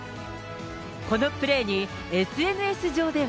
このプレーにＳＮＳ上では。